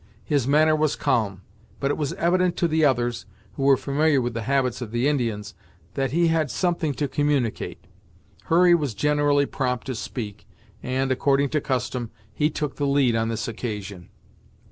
His manner was calm, but it was evident to the others, who were familiar with the habits of the Indians, that he had something to communicate. Hurry was generally prompt to speak and, according to custom, he took the lead on this occasion.